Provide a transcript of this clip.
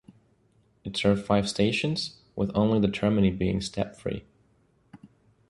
It serves five stations, with only the termini being step-free.